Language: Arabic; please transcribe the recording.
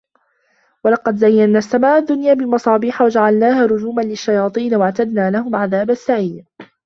وَلَقَد زَيَّنَّا السَّماءَ الدُّنيا بِمَصابيحَ وَجَعَلناها رُجومًا لِلشَّياطينِ وَأَعتَدنا لَهُم عَذابَ السَّعيرِ